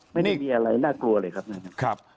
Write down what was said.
ไม่ได้มีอะไรน่ากลัวเลยครับ